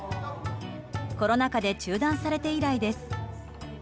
コロナ禍で中断されて以来です。